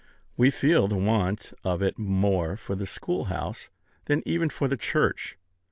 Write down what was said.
We feel the want of it more for the schoolhouse than even for the church.